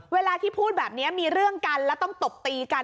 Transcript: เวลาที่พูดแบบนี้มีเรื่องกันแล้วต้องตบตีกัน